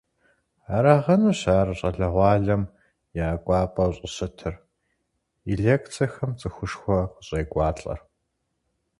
Арагъэнущ ар щӀалэгъуалэм я кӀуапӀэу щӀыщытыр, и лекцэхэм цӀыхушхуэ къыщӀекӀуалӀэр.